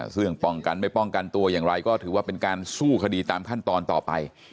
ซึ่งป้องกันไม่ป้องกันตัวอย่างไรก็ถือว่าเป็นการสู้คดีตามขั้นตอนต่อไป